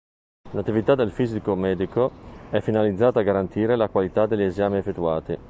L'attività del Fisico medico è finalizzata a garantire la qualità degli esami effettuati.